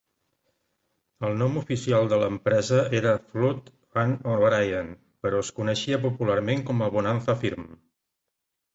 El nom oficial de l'empresa era "Flood and O'Brien", però es coneixia popularment com a "Bonanza Firm".